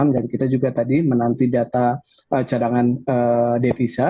dan kita juga tadi menanti data cadangan devisa